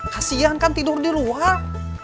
kasian kan tidur di ruang